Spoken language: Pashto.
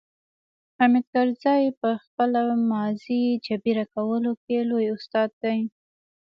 حامد کرزي په خپله ماضي جبيره کولو کې لوی استاد دی.